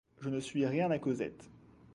Je ne suis rien à Cosette.